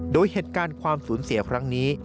โดยเหตุการณ์ความสูญเสียครั้งนี้